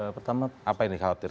pertama apa yang dikhawatirkan